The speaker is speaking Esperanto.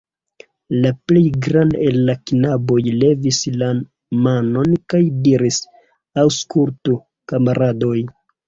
La plej granda el la knaboj levis la manon kaj diris: Aŭskultu, kamaradoj!